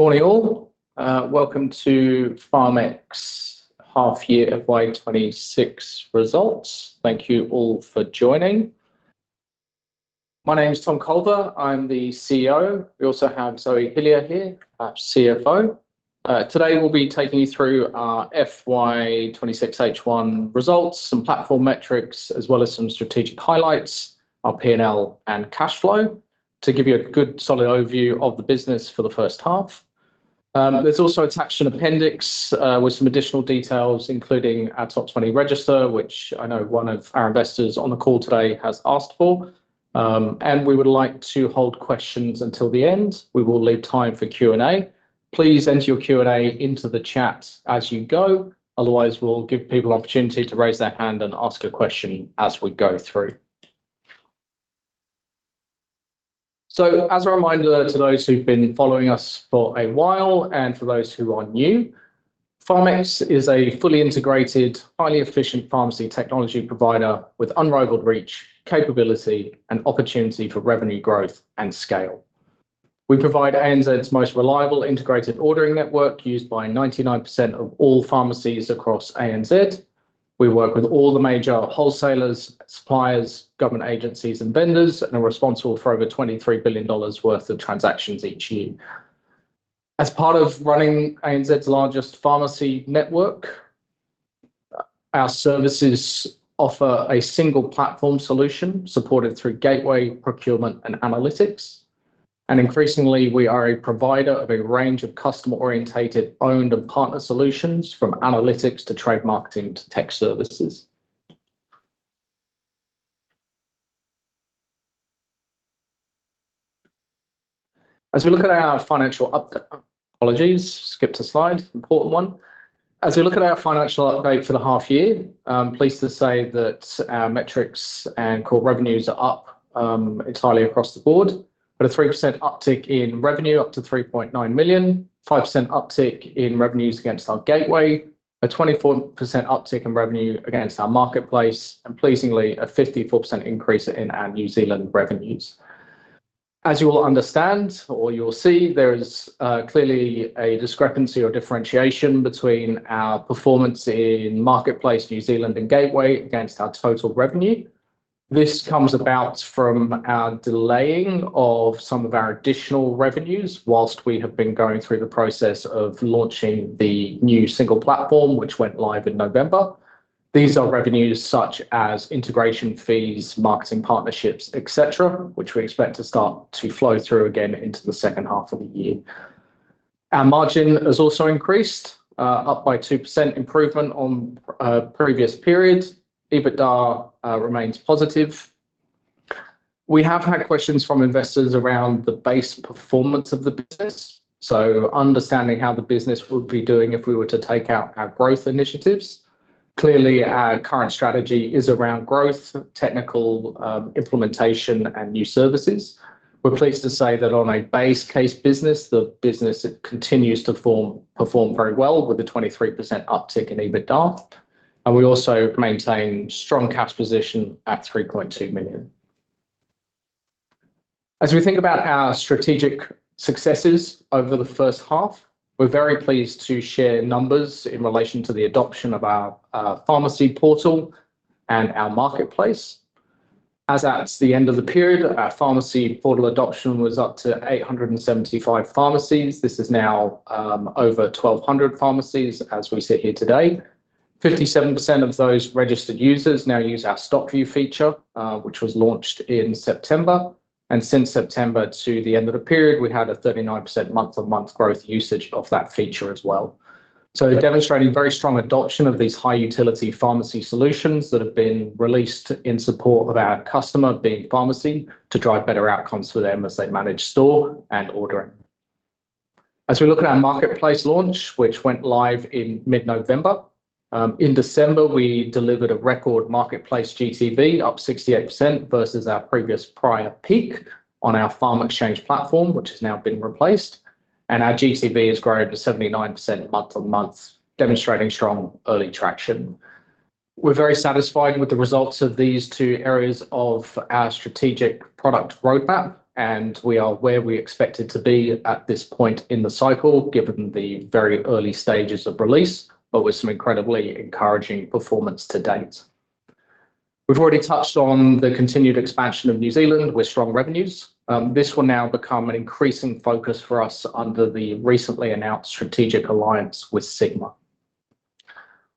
Good morning, all. Welcome to PharmX Half Year FY 2026 Results. Thank you all for joining. My name is Tom Culver, I'm the CEO. We also have Zoe Hillier here, our CFO. Today, we'll be taking you through our FY 2026 H1 results, some platform metrics, as well as some strategic highlights, our P&L and cash flow, to give you a good solid overview of the business for the first half. There's also attached an appendix with some additional details, including our top 20 register, which I know one of our investors on the call today has asked for. We would like to hold questions until the end. We will leave time for Q&A. Please enter your Q&A into the chat as you go. Otherwise, we'll give people opportunity to raise their hand and ask a question as we go through. As a reminder to those who've been following us for a while and for those who are new, PharmX is a fully integrated, highly efficient pharmacy technology provider with unrivaled reach, capability, and opportunity for revenue growth and scale. We provide ANZ's most reliable integrated ordering network, used by 99% of all pharmacies across ANZ. We work with all the major wholesalers, suppliers, government agencies, and vendors, and are responsible for over 23 billion dollars worth of transactions each year. As part of running ANZ's largest pharmacy network, our services offer a single platform solution supported through gateway, procurement, and analytics. Increasingly, we are a provider of a range of customer-oriented, owned and partner solutions, from analytics to trade marketing to tech services. As we look at our financial apologies, skipped a slide, important one. As we look at our financial update for the half year, I'm pleased to say that our metrics and core revenues are up entirely across the board. A 3% uptick in revenue, up to 3.9 million, 5% uptick in revenues against our Gateway, a 24% uptick in revenue against our Marketplace, and pleasingly, a 54% increase in our New Zealand revenues. As you will understand or you'll see, there is clearly a discrepancy or differentiation between our performance in Marketplace New Zealand and Gateway against our total revenue. This comes about from our delaying of some of our additional revenues whilst we have been going through the process of launching the new single platform, which went live in November. These are revenues such as integration fees, marketing partnerships, et cetera, which we expect to start to flow through again into the second half of the year. Our margin has also increased, up by 2% improvement on previous periods. EBITDA remains positive. We have had questions from investors around the base performance of the business, so understanding how the business would be doing if we were to take out our growth initiatives. Clearly, our current strategy is around growth, technical, implementation, and new services. We're pleased to say that on a base case business, the business continues to perform very well with a 23% uptick in EBITDA, and we also maintain strong cash position at 3.2 million. As we think about our strategic successes over the first half, we're very pleased to share numbers in relation to the adoption of our Pharmacy Portal and our Marketplace. As at the end of the period, our Pharmacy Portal adoption was up to 875 pharmacies. This is now over 1,200 pharmacies as we sit here today. 57% of those registered users now use our StockView feature, which was launched in September, and since September to the end of the period, we've had a 39% month-on-month growth usage of that feature as well. Demonstrating very strong adoption of these high utility pharmacy solutions that have been released in support of our customer, being pharmacy, to drive better outcomes for them as they manage store and ordering. As we look at our Marketplace launch, which went live in mid-November, in December, we delivered a record Marketplace GCV up 68% versus our previous prior peak on our PharmXchange platform, which has now been replaced, and our GCV has grown to 79% month-on-month, demonstrating strong early traction. We're very satisfied with the results of these two areas of our strategic product roadmap, and we are where we expected to be at this point in the cycle, given the very early stages of release, but with some incredibly encouraging performance to date. We've already touched on the continued expansion of New Zealand with strong revenues. This will now become an increasing focus for us under the recently announced strategic alliance with Sigma.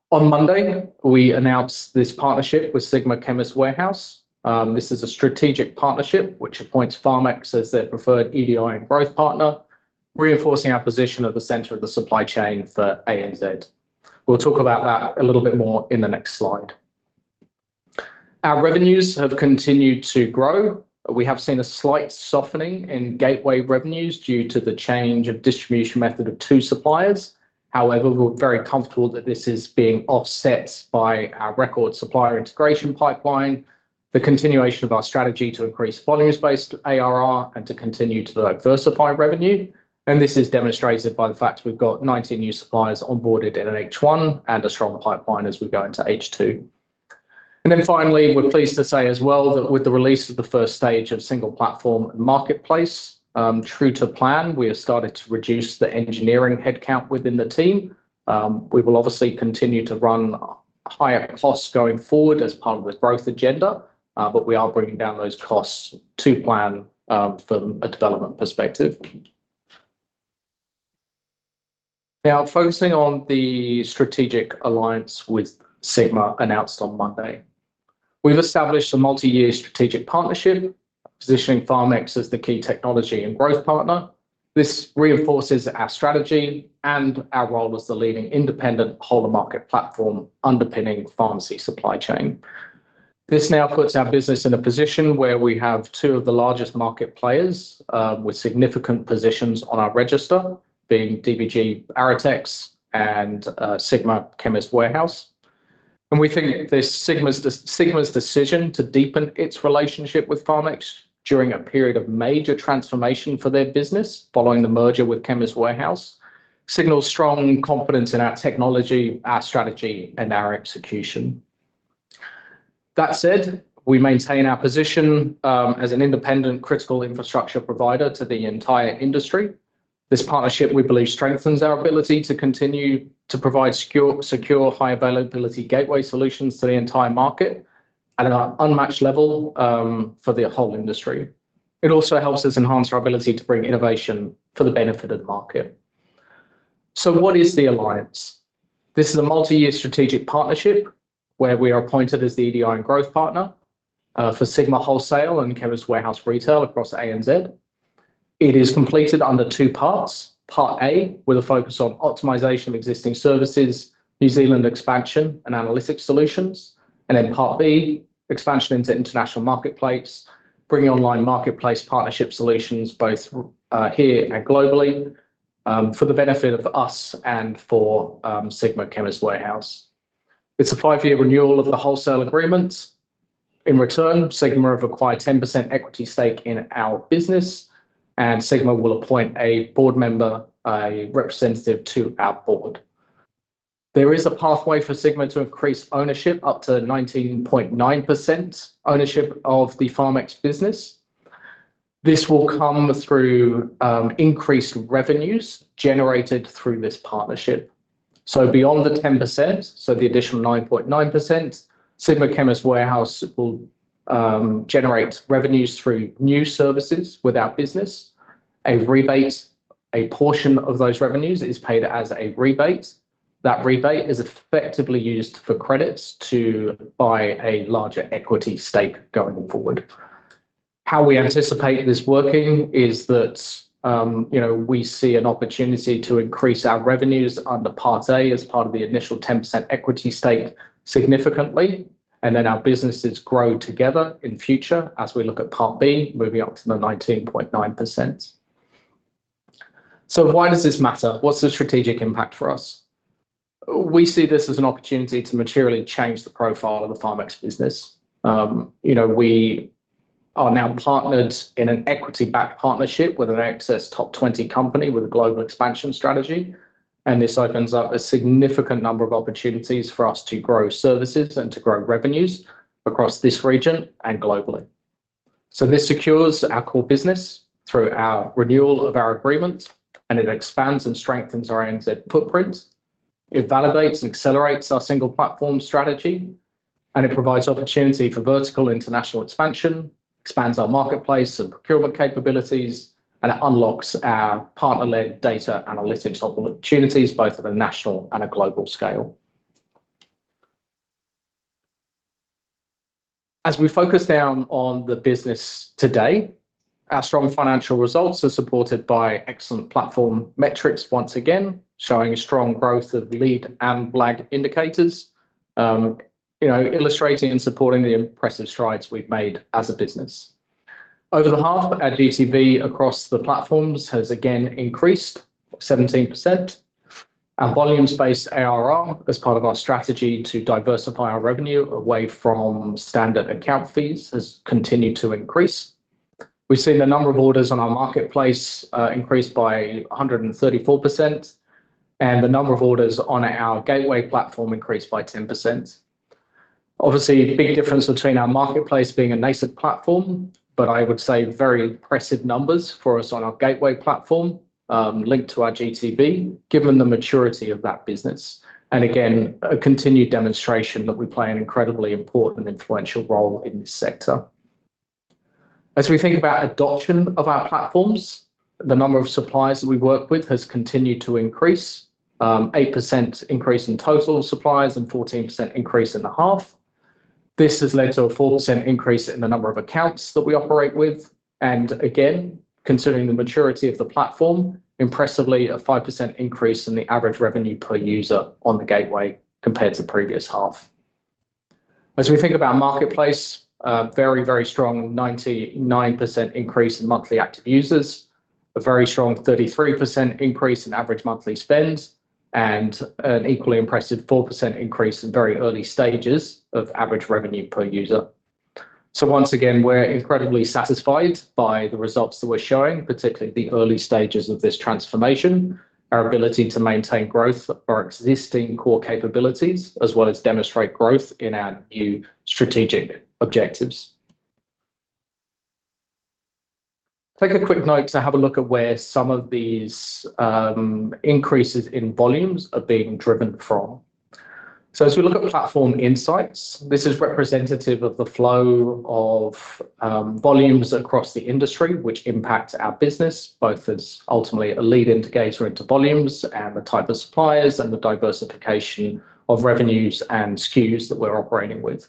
On Monday, we announced this partnership with Sigma Chemist Warehouse. This is a strategic partnership which appoints PharmX as their preferred EDI and growth partner, reinforcing our position at the center of the supply chain for ANZ. We'll talk about that a little bit more in the next slide. Our revenues have continued to grow. We have seen a slight softening in gateway revenues due to the change of distribution method of two suppliers. However, we're very comfortable that this is being offset by our record supplier integration pipeline, the continuation of our strategy to increase volumes-based ARR, and to continue to diversify revenue. This is demonstrated by the fact we've got 19 new suppliers onboarded in H1 and a strong pipeline as we go into H2. Finally, we're pleased to say as well that with the release of the first stage of single platform Marketplace, true to plan, we have started to reduce the engineering headcount within the team. We will obviously continue to run higher costs going forward as part of this growth agenda, but we are bringing down those costs to plan from a development perspective. Focusing on the strategic alliance with Sigma, announced on Monday. We've established a multi-year strategic partnership, positioning PharmX as the key technology and growth partner. This reinforces our strategy and our role as the leading independent whole of market platform underpinning pharmacy supply chain. This now puts our business in a position where we have two of the largest market players with significant positions on our register, being DBG, Arrotex, and Sigma Chemist Warehouse. We think this Sigma's decision to deepen its relationship with PharmX during a period of major transformation for their business, following the merger with Chemist Warehouse, signals strong confidence in our technology, our strategy, and our execution. That said, we maintain our position as an independent, critical infrastructure provider to the entire industry. This partnership, we believe, strengthens our ability to continue to provide secure, high availability gateway solutions to the entire market at an unmatched level for the whole industry. It also helps us enhance our ability to bring innovation for the benefit of the market. What is the alliance? This is a multi-year strategic partnership where we are appointed as the EDI and growth partner for Sigma Wholesale and Chemist Warehouse Retail across ANZ. It is completed under two parts. Part A, with a focus on optimization of existing services, New Zealand expansion and analytics solutions, then Part B, expansion into international marketplace, bringing online marketplace partnership solutions both here and globally for the benefit of us and for Sigma Chemist Warehouse. It's a five year renewal of the wholesale agreement. In return, Sigma have acquired 10% equity stake in our business. Sigma will appoint a board member, a representative to our board. There is a pathway for Sigma to increase ownership up to 19.9% ownership of the PharmX business. This will come through increased revenues generated through this partnership. Beyond the 10%, the additional 9.9%, Sigma Chemist Warehouse will generate revenues through new services with our business. A rebate, a portion of those revenues is paid as a rebate. That rebate is effectively used for credits to buy a larger equity stake going forward. How we anticipate this working is that, you know, we see an opportunity to increase our revenues under Part A as part of the initial 10% equity stake significantly, and then our businesses grow together in future as we look at Part B, moving up to the 19.9%. Why does this matter? What's the strategic impact for us? We see this as an opportunity to materially change the profile of the PharmX business. You know, we are now partnered in an equity-backed partnership with an ASX top 20 company with a global expansion strategy, and this opens up a significant number of opportunities for us to grow services and to grow revenues across this region and globally. This secures our core business through our renewal of our agreement, and it expands and strengthens our ANZ footprint. It validates and accelerates our single platform strategy, and it provides opportunity for vertical international expansion, expands our Marketplace and procurement capabilities, and it unlocks our partner-led data analytics opportunities, both at a national and a global scale. As we focus down on the business today, our strong financial results are supported by excellent platform metrics, once again, showing a strong growth of lead and lag indicators, you know, illustrating and supporting the impressive strides we've made as a business. Over the half, our GTV across the platforms has again increased 17%. Our volume-based ARR, as part of our strategy to diversify our revenue away from standard account fees, has continued to increase. We've seen the number of orders on our Marketplace, increase by 134%, and the number of orders on our gateway platform increased by 10%. Obviously, a big difference between our Marketplace being a nascent platform, but I would say very impressive numbers for us on our gateway platform, linked to our GTV, given the maturity of that business, and again, a continued demonstration that we play an incredibly important influential role in this sector. As we think about adoption of our platforms, the number of suppliers that we work with has continued to increase, 8% increase in total suppliers and 14% increase in the half. This has led to a 4% increase in the number of accounts that we operate with, and again, considering the maturity of the platform, impressively, a 5% increase in the average revenue per user on the gateway compared to the previous half. As we think about Marketplace, a very, very strong 99% increase in monthly active users, a very strong 33% increase in average monthly spend, and an equally impressive 4% increase in very early stages of average revenue per user. Once again, we're incredibly satisfied by the results that we're showing, particularly the early stages of this transformation, our ability to maintain growth of our existing core capabilities, as well as demonstrate growth in our new strategic objectives. Take a quick note to have a look at where some of these increases in volumes are being driven from. As we look at the platform insights, this is representative of the flow of volumes across the industry, which impacts our business, both as ultimately a lead indicator into volumes and the type of suppliers and the diversification of revenues and SKUs that we're operating with.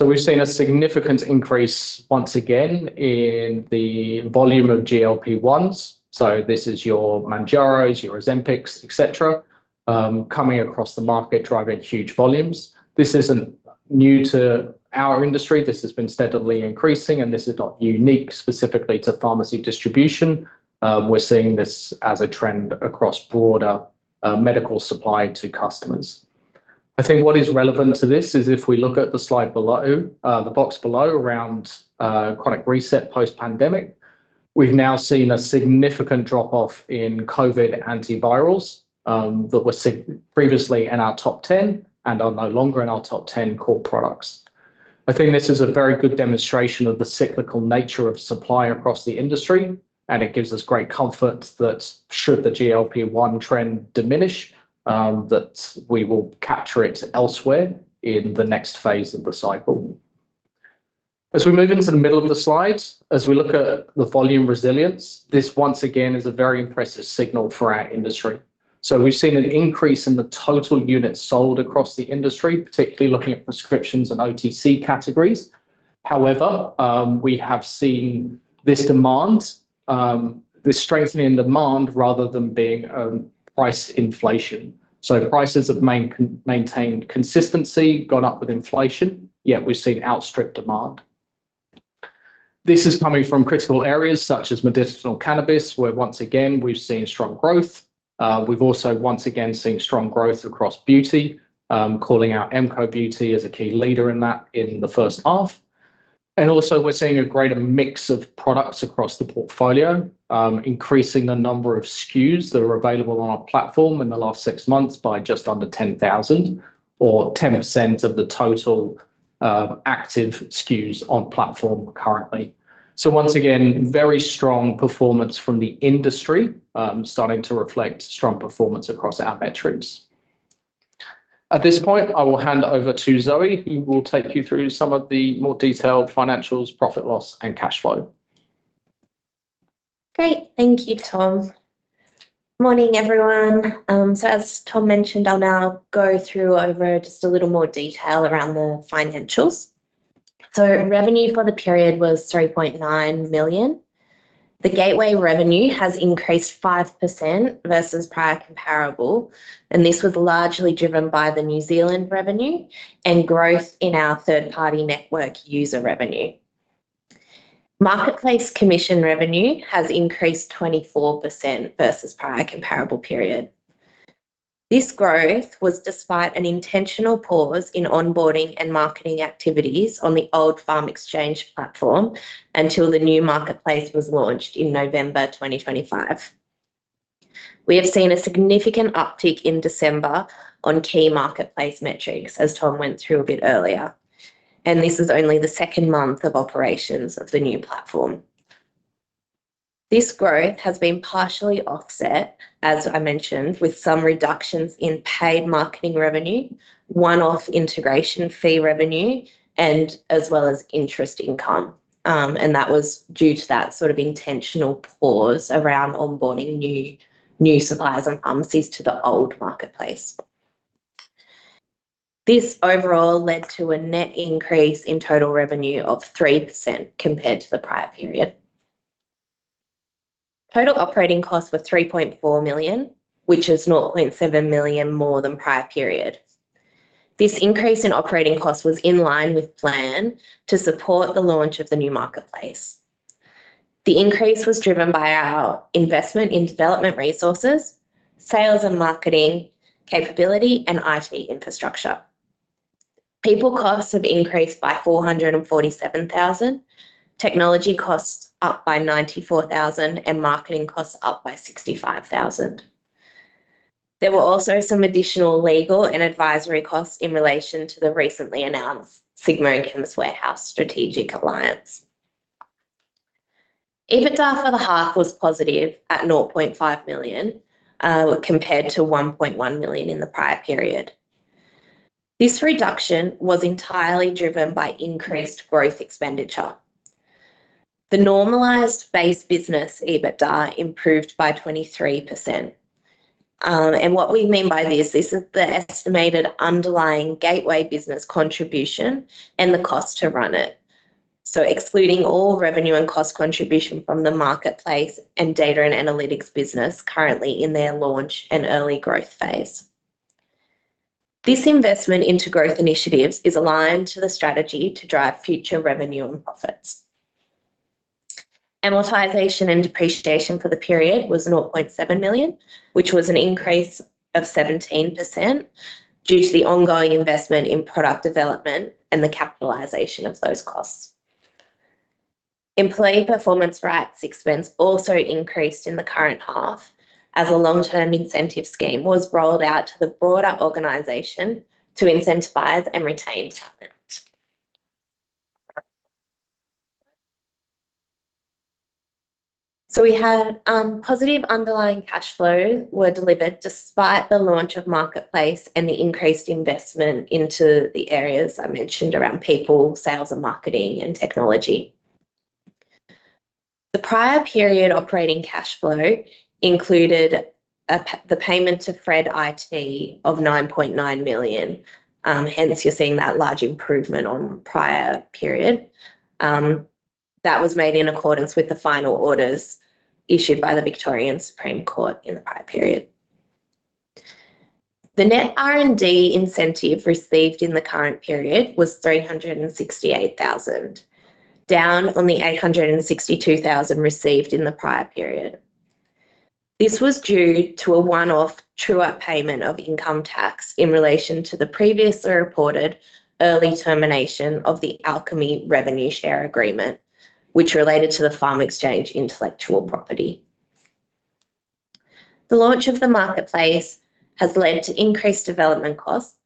We've seen a significant increase once again in the volume of GLP-1s. This is your Mounjaro, your Ozempic, et cetera, coming across the market, driving huge volumes. This isn't new to our industry. This has been steadily increasing, and this is not unique specifically to pharmacy distribution. We're seeing this as a trend across broader medical supply to customers. I think what is relevant to this is if we look at the slide below, the box below, around chronic reset post-pandemic, we've now seen a significant drop-off in COVID antivirals that were seen previously in our top 10 and are no longer in our top 10 core products. I think this is a very good demonstration of the cyclical nature of supply across the industry, and it gives us great comfort that should the GLP-1 trend diminish, that we will capture it elsewhere in the next phase of the cycle. As we move into the middle of the slides, as we look at the volume resilience, this once again is a very impressive signal for our industry. We've seen an increase in the total units sold across the industry, particularly looking at prescriptions and OTC categories. However, we have seen this demand, this strengthening demand rather than being price inflation. Prices have maintained consistency, gone up with inflation, yet we've seen outstrip demand. This is coming from critical areas such as medicinal cannabis, where once again, we've seen strong growth. We've also once again seen strong growth across beauty, calling out MCoBeauty as a key leader in that in the first half. Also we're seeing a greater mix of products across the portfolio, increasing the number of SKUs that are available on our platform in the last six months by just under 10,000 or 10% of the total active SKUs on platform currently. Once again, very strong performance from the industry, starting to reflect strong performance across our metrics. At this point, I will hand over to Zoe, who will take you through some of the more detailed financials, profit, loss, and cash flow. Great. Thank you, Tom. Morning, everyone. As Tom mentioned, I'll now go through over just a little more detail around the financials. Revenue for the period was 3.9 million. The Gateway revenue has increased 5% versus prior comparable, and this was largely driven by the New Zealand revenue and growth in our third-party network user revenue. Marketplace commission revenue has increased 24% versus prior comparable period. This growth was despite an intentional pause in onboarding and marketing activities on the old PharmXchange platform until the new Marketplace was launched in November 2025. We have seen a significant uptick in December on key Marketplace metrics, as Tom went through a bit earlier, and this is only the second month of operations of the new platform. This growth has been partially offset, as I mentioned, with some reductions in paid marketing revenue, one-off integration fee revenue, and as well as interest income. That was due to that sort of intentional pause around onboarding new suppliers and pharmacies to the old Marketplace. This overall led to a net increase in total revenue of 3% compared to the prior period. Total operating costs were 3.4 million, which is 0.7 million more than prior period. This increase in operating costs was in line with plan to support the launch of the new Marketplace. The increase was driven by our investment in development resources, sales and marketing capability, and IT infrastructure. People costs have increased by 447,000, technology costs up by 94,000, marketing costs up by 65,000. There were also some additional legal and advisory costs in relation to the recently announced Sigma and Chemist Warehouse strategic alliance. EBITDA for the half was positive at 0.5 million, compared to 1.1 million in the prior period. This reduction was entirely driven by increased growth expenditure. The normalized phase business EBITDA improved by 23%. What we mean by this is the estimated underlying Gateway business contribution and the cost to run it. Excluding all revenue and cost contribution from the Marketplace and data and analytics business currently in their launch and early growth phase. This investment into growth initiatives is aligned to the strategy to drive future revenue and profits. Amortization and depreciation for the period was 0.7 million, which was an increase of 17% due to the ongoing investment in product development and the capitalization of those costs. Employee performance rights expense also increased in the current half as a long-term incentive scheme was rolled out to the broader organization to incentivize and retain talent. We had positive underlying cash flow were delivered despite the launch of Marketplace and the increased investment into the areas I mentioned around people, sales and marketing, and technology. The prior period operating cash flow included the payment to Fred IT of 9.9 million, hence you're seeing that large improvement on prior period. That was made in accordance with the final orders issued by the Supreme Court of Victoria in the prior period. The net R&D incentive received in the current period was 368,000, down from the 862,000 received in the prior period. This was due to a one-off true-up payment of income tax in relation to the previously reported early termination of the Alchemy revenue share agreement, which related to the PharmXchange intellectual property. The launch of the Marketplace has led to increased development costs,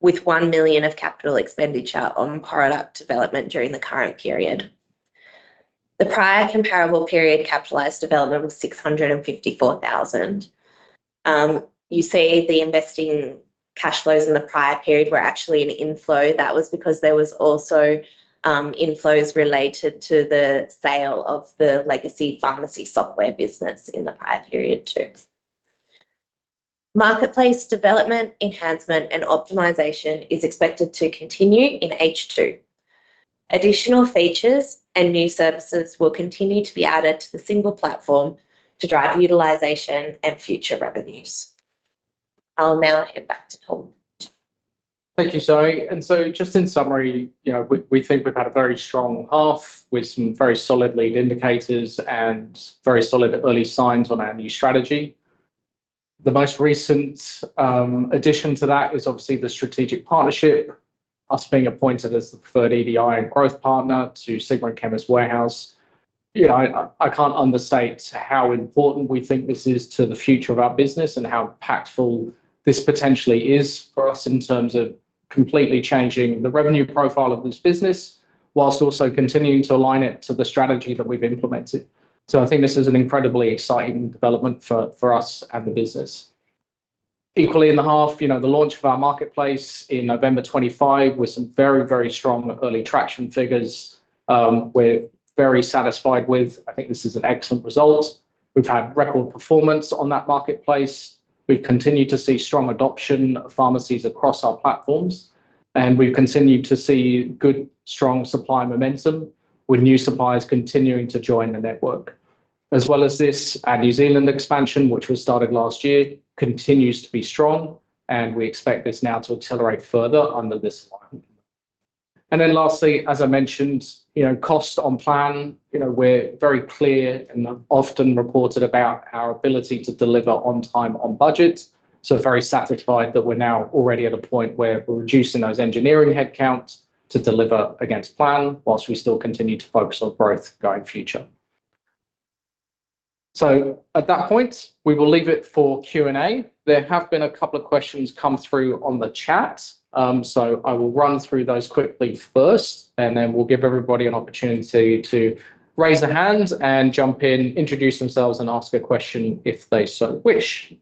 with 1 million of capital expenditure on product development during the current period. The prior comparable period capitalized development was 654,000. You see the investing cash flows in the prior period were actually an inflow. That was because there was also inflows related to the sale of the legacy pharmacy software business in the prior period, too. Marketplace development, enhancement, and optimization is expected to continue in H2. Additional features and new services will continue to be added to the single platform to drive utilization and future revenues. I'll now hand back to Tom. Thank you, Zoe. Just in summary, you know, we think we've had a very strong half, with some very solid lead indicators and very solid early signs on our new strategy. The most recent addition to that is obviously the strategic partnership, us being appointed as the preferred EDI and growth partner to Sigma Chemist Warehouse. You know, I can't understate how important we think this is to the future of our business and how impactful this potentially is for us in terms of completely changing the revenue profile of this business, whilst also continuing to align it to the strategy that we've implemented. I think this is an incredibly exciting development for us and the business. Equally in the half, you know, the launch of our Marketplace in November 25, with some very, very strong early traction figures, we're very satisfied with. I think this is an excellent result. We've had record performance on that Marketplace. We've continued to see strong adoption of pharmacies across our platforms, and we've continued to see good, strong supply momentum, with new suppliers continuing to join the network. As well as this, our New Zealand expansion, which was started last year, continues to be strong, and we expect this now to accelerate further under this one. Lastly, as I mentioned, you know, cost on plan, you know, we're very clear and often reported about our ability to deliver on time, on budget. Very satisfied that we're now already at a point where we're reducing those engineering headcounts to deliver against plan, whilst we still continue to focus on growth going future. At that point, we will leave it for Q&A. There have been a couple of questions come through on the chat. I will run through those quickly first, and then we'll give everybody an opportunity to raise their hands and jump in, introduce themselves, and ask a question if they so wish.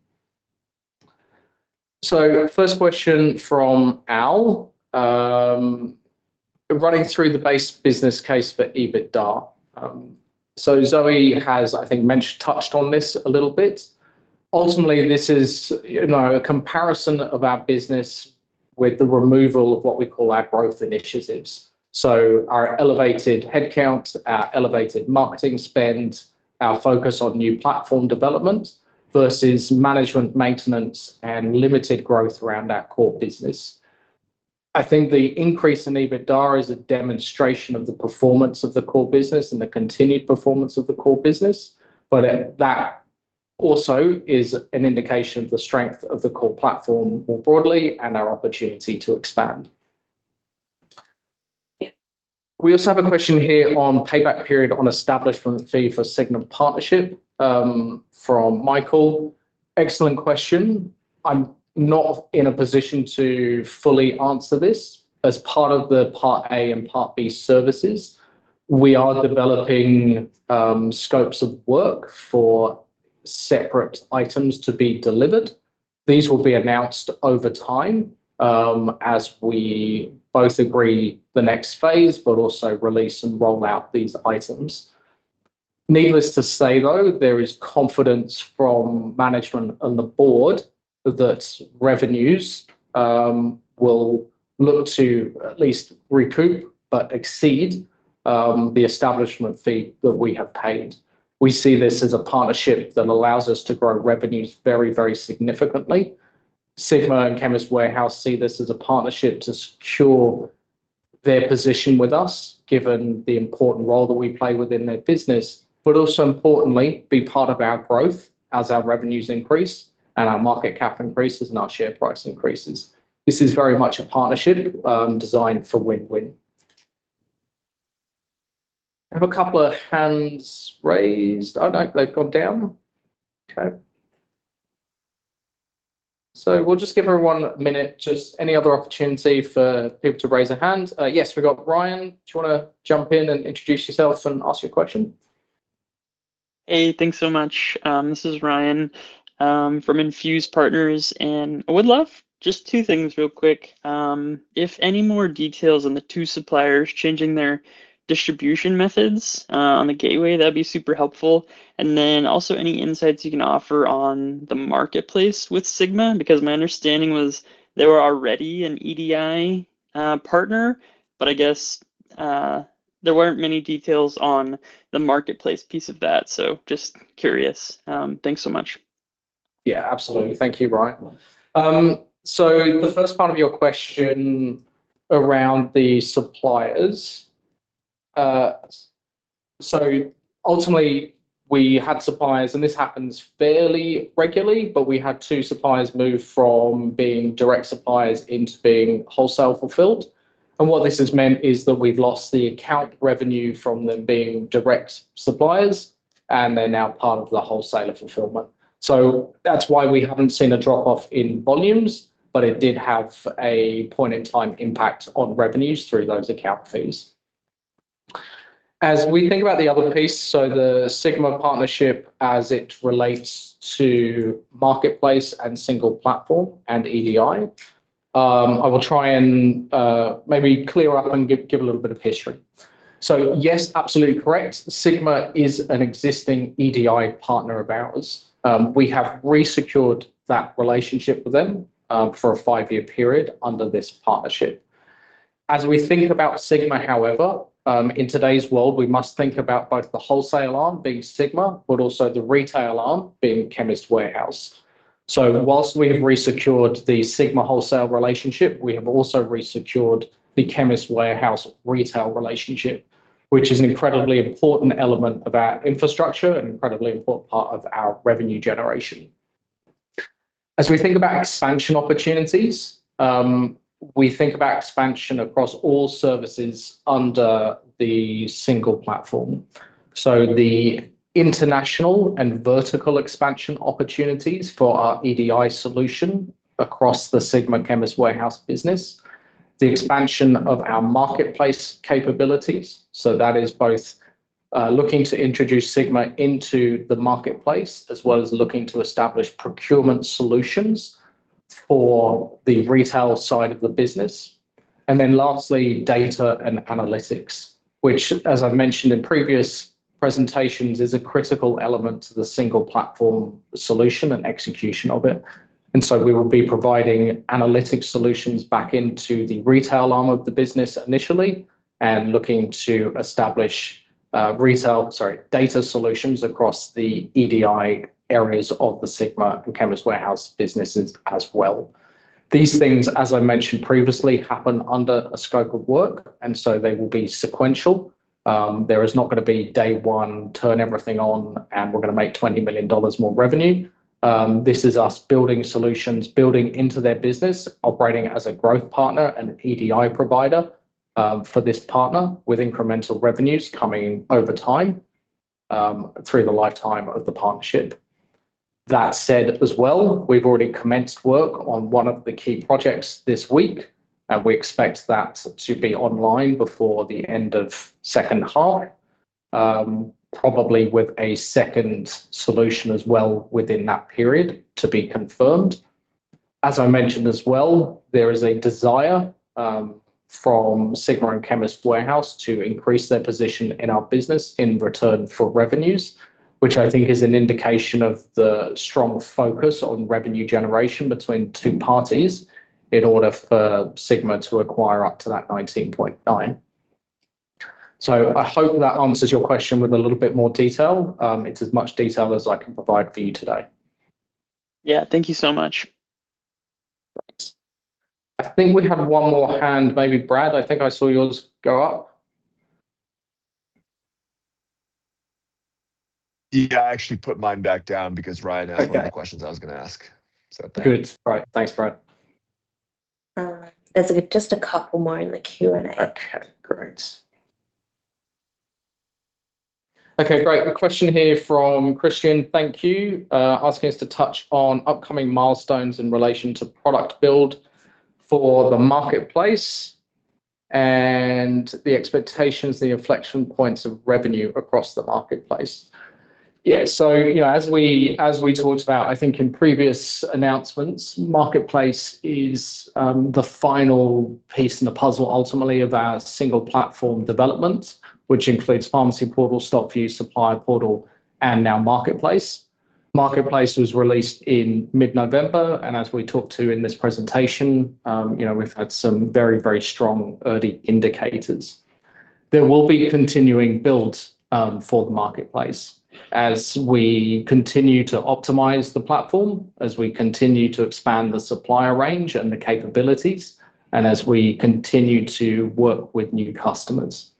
First question from Al, running through the base business case for EBITDA. Zoe has, I think, mentioned, touched on this a little bit. Ultimately, this is, you know, a comparison of our business with the removal of what we call our growth initiatives. Our elevated headcount, our elevated marketing spend, our focus on new platform development versus management, maintenance, and limited growth around our core business. I think the increase in EBITDA is a demonstration of the performance of the core business and the continued performance of the core business. That also is an indication of the strength of the core platform more broadly and our opportunity to expand. We also have a question here on payback period on establishment fee for Sigma partnership from Michael. Excellent question. I'm not in a position to fully answer this. As part of the Part A and Part B services, we are developing scopes of work for separate items to be delivered. These will be announced over time as we both agree the next phase, also release and roll out these items. Needless to say, though, there is confidence from management and the board that revenues will look to at least recoup but exceed the establishment fee that we have paid. We see this as a partnership that allows us to grow revenues very, very significantly. Sigma and Chemist Warehouse see this as a partnership to secure their position with us, given the important role that we play within their business, but also importantly, be part of our growth as our revenues increase and our market cap increases and our share price increases. This is very much a partnership designed for win-win. I have a couple of hands raised. Oh, no, they've gone down. Okay. We'll just give her one minute. Just any other opportunity for people to raise their hand? Yes, we've got Ryan. Do you want to jump in and introduce yourself and ask your question? Hey, thanks so much. This is Ryan from Infuse Partners, I would love just two things real quick. If any more details on the two suppliers changing their distribution methods on the gateway, that'd be super helpful. Also any insights you can offer on the Marketplace with Sigma, because my understanding was they were already an EDI partner, I guess there weren't many details on the Marketplace piece of that. Just curious. Thanks so much. Yeah, absolutely. Thank you, Ryan. The first part of your question around the suppliers. Ultimately, we had suppliers, and this happens fairly regularly, but we had two suppliers move from being direct suppliers into being wholesale fulfilled. What this has meant is that we've lost the account revenue from them being direct suppliers, and they're now part of the wholesaler fulfillment. That's why we haven't seen a drop-off in volumes, but it did have a point in time impact on revenues through those account fees. As we think about the other piece, so the Sigma partnership, as it relates to Marketplace and single platform and EDI, I will try and maybe clear up and give a little bit of history. Yes, absolutely correct, Sigma is an existing EDI partner of ours. We have resecured that relationship with them for a five year period under this partnership. As we think about Sigma, however, in today's world, we must think about both the wholesale arm being Sigma, but also the retail arm being Chemist Warehouse. Whilst we have resecured the Sigma wholesale relationship, we have also resecured the Chemist Warehouse retail relationship, which is an incredibly important element of our infrastructure and an incredibly important part of our revenue generation. As we think about expansion opportunities, we think about expansion across all services under the single platform. The international and vertical expansion opportunities for our EDI solution across the Sigma Chemist Warehouse business, the expansion of our Marketplace capabilities, that is both looking to introduce Sigma into the Marketplace, as well as looking to establish procurement solutions for the retail side of the business. Lastly, data and analytics, which, as I've mentioned in previous presentations, is a critical element to the single platform solution and execution of it. We will be providing analytic solutions back into the retail arm of the business initially, and looking to establish data solutions across the EDI areas of the Sigma and Chemist Warehouse businesses as well. These things, as I mentioned previously, happen under a scope of work, and so they will be sequential. There is not gonna be day one, turn everything on, and we're gonna make 20 million dollars more revenue. This is us building solutions, building into their business, operating as a growth partner and EDI provider for this partner, with incremental revenues coming over time through the lifetime of the partnership. That said as well, we've already commenced work on one of the key projects this week, and we expect that to be online before the end of second half, probably with a second solution as well within that period, to be confirmed. As I mentioned as well, there is a desire from Sigma and Chemist Warehouse to increase their position in our business in return for revenues, which I think is an indication of the strong focus on revenue generation between two parties in order for Sigma to acquire up to that 19.9%. I hope that answers your question with a little bit more detail. It's as much detail as I can provide for you today. Yeah, thank you so much. Thanks. I think we have one more hand. Maybe Brad, I think I saw yours go up. I actually put mine back down because Ryan-. Okay... asked one of the questions I was gonna ask. Thanks. Good. All right. Thanks, Ryan. There's just a couple more in the Q&A. Okay, great. A question here from Christian, thank you, asking us to touch on upcoming milestones in relation to product build for the Marketplace and the expectations, the inflection points of revenue across the Marketplace. Yeah, you know, as we talked about, I think in previous announcements, Marketplace is the final piece in the puzzle ultimately of our single platform development, which includes Pharmacy Portal, StockView, Supplier Portal, and now Marketplace. Marketplace was released in mid-November, and as we talked to in this presentation, you know, we've had some very strong early indicators. There will be continuing builds for the Marketplace as we continue to optimize the platform, as we continue to expand the supplier range and the capabilities, and as we continue to work with new customers.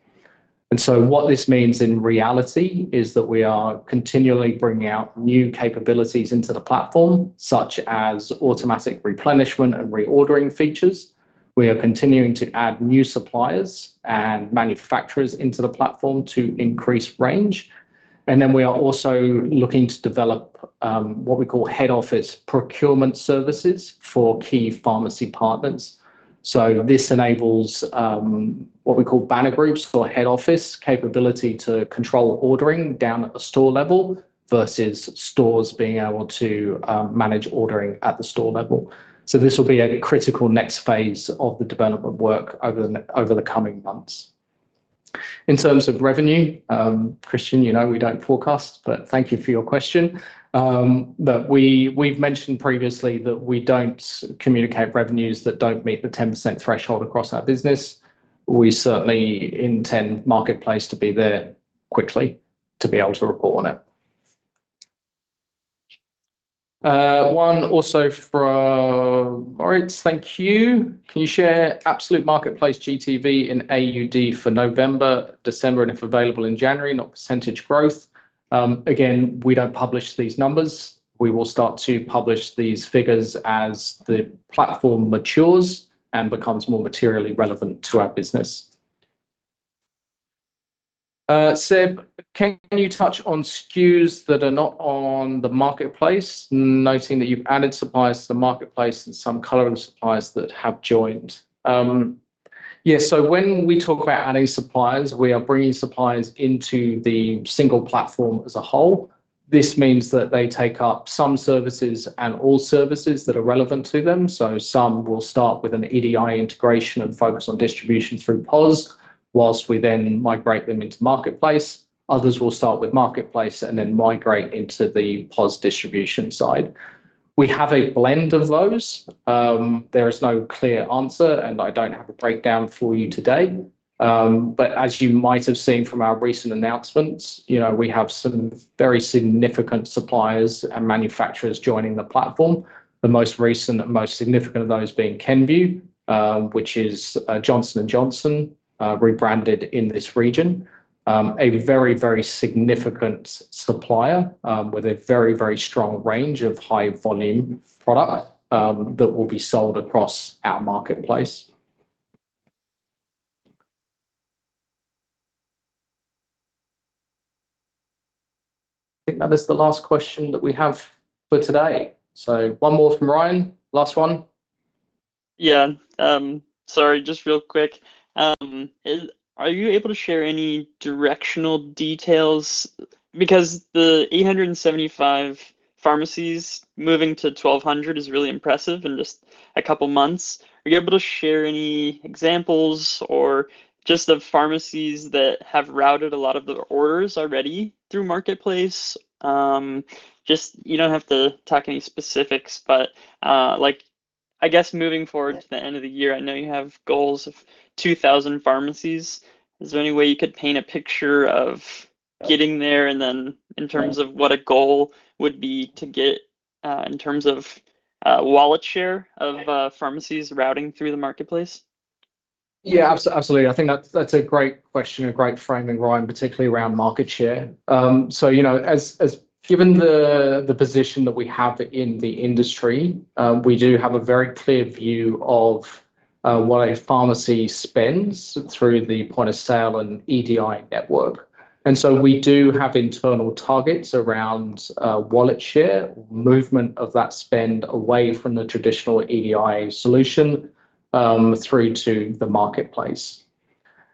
What this means in reality is that we are continually bringing out new capabilities into the platform, such as automatic replenishment and reordering features. We are continuing to add new suppliers and manufacturers into the platform to increase range, and then we are also looking to develop what we call head office procurement services for key pharmacy partners. This enables what we call banner groups for head office capability to control ordering down at the store level versus stores being able to manage ordering at the store level. This will be a critical next phase of the development work over the coming months. In terms of revenue, Christian, you know, we don't forecast, but thank you for your question. But we've mentioned previously that we don't communicate revenues that don't meet the 10% threshold across our business. We certainly intend Marketplace to be there quickly to be able to report on it. One also from Moritz. Thank you. Can you share absolute Marketplace GTV in AUD for November, December, and, if available, in January, not percentage growth? Again, we don't publish these numbers. We will start to publish these figures as the platform matures and becomes more materially relevant to our business. Seb, can you touch on SKUs that are not on the Marketplace, noting that you've added suppliers to the Marketplace and some current suppliers that have joined? Yeah, so when we talk about adding suppliers, we are bringing suppliers into the single platform as a whole. This means that they take up some services and all services that are relevant to them, some will start with an EDI integration and focus on distribution through POS, whilst we then migrate them into Marketplace. Others will start with Marketplace and then migrate into the POS distribution side. We have a blend of those. There is no clear answer, and I don't have a breakdown for you today, but as you might have seen from our recent announcements, you know, we have some very significant suppliers and manufacturers joining the platform. The most recent and most significant of those being Kenvue, which is Johnson & Johnson rebranded in this region. A very, very significant supplier, with a very, very strong range of high-volume product, that will be sold across our Marketplace. I think that is the last question that we have for today. One more from Ryan. Last one. Yeah. Sorry, just real quick. Are you able to share any directional details? The 875 pharmacies moving to 1,200 is really impressive in just a couple months. Are you able to share any examples or just the pharmacies that have routed a lot of the orders already through Marketplace? Just you don't have to talk any specifics, but, like, I guess moving forward to the end of the year, I know you have goals of 2,000 pharmacies. Is there any way you could paint a picture of getting there, and then in terms of what a goal would be to get, in terms of, wallet share of, pharmacies routing through the Marketplace? Absolutely. I think that's a great question, a great framing, Ryan, particularly around market share. You know, as given the position that we have in the industry, we do have a very clear view of what a pharmacy spends through the point of sale and EDI network. We do have internal targets around wallet share, movement of that spend away from the traditional EDI solution through to the Marketplace.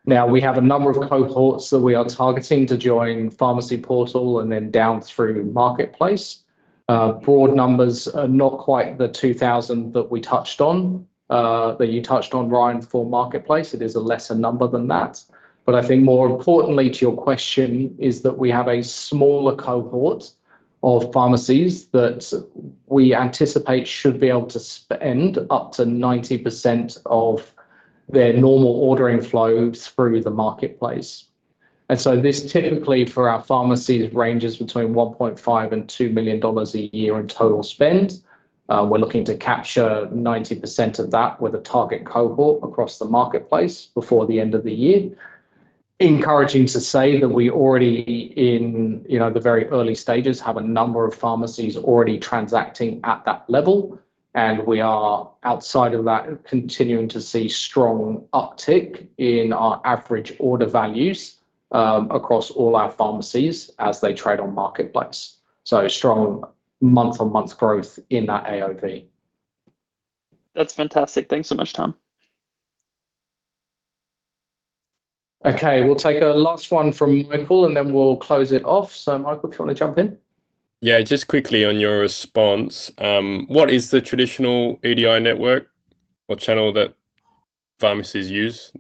Now, we have a number of cohorts that we are targeting to join Pharmacy Portal and then down through Marketplace. Board numbers are not quite the 2,000 that we touched on, that you touched on, Ryan, for Marketplace, it is a lesser number than that. I think more importantly to your question is that we have a smaller cohort of pharmacies that we anticipate should be able to spend up to 90% of their normal ordering flows through the Marketplace. This typically, for our pharmacy, ranges between 1.5 million and 2 million dollars a year in total spend. We're looking to capture 90% of that with a target cohort across the Marketplace before the end of the year. Encouraging to say that we already in, you know, the very early stages, have a number of pharmacies already transacting at that level, and we are outside of that, continuing to see strong uptick in our average order values across all our pharmacies as they trade on Marketplace. Strong month-on-month growth in that AOV. That's fantastic. Thanks so much, Tom. Okay, we'll take a last one from Michael, and then we'll close it off. Michael, if you want to jump in. Yeah, just quickly on your response, what is the traditional EDI network or channel that pharmacies use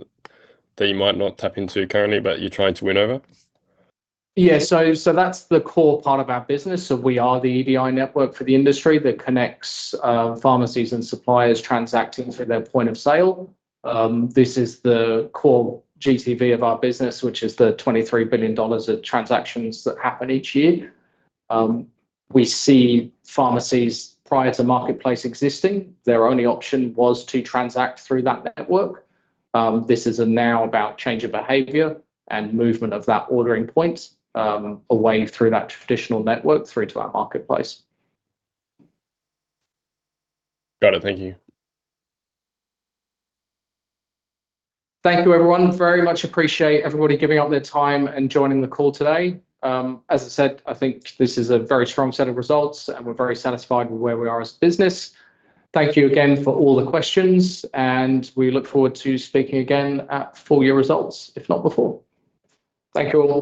that you might not tap into currently, but you're trying to win over? That's the core part of our business. We are the EDI network for the industry that connects pharmacies and suppliers transacting through their point of sale. This is the core GTV of our business, which is the 23 billion dollars of transactions that happen each year. We see pharmacies prior to Marketplace existing, their only option was to transact through that network. This is now about change of behavior and movement of that ordering point away through that traditional network, through to our Marketplace. Got it. Thank you. Thank you, everyone. Very much appreciate everybody giving up their time and joining the call today. As I said, I think this is a very strong set of results, and we're very satisfied with where we are as a business. Thank you again for all the questions, and we look forward to speaking again at full year results, if not before. Thank you, all.